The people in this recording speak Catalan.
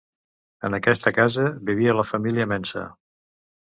En aquesta casa vivia la família Mensa.